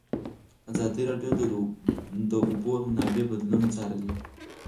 ازادي راډیو د د اوبو منابع بدلونونه څارلي.